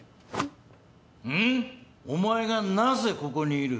お前がなぜここにいる？